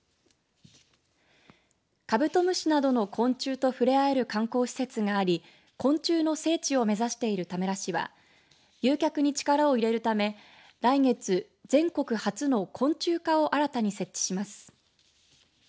カブトムシなどの昆虫と触れ合える観光施設があり昆虫の聖地を目指している田村市は誘客に力を入れるため来月、全国初の昆虫課を新たに設置します。